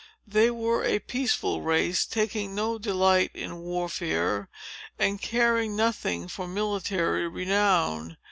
They were a peaceful race, taking no delight in warfare, and caring nothing for military renown.